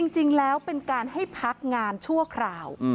จริงแล้วเป็นการให้พักงานชั่วคราว